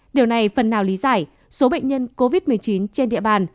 điều này phần nào lý giải số bệnh nhân covid một mươi chín trên địa bàn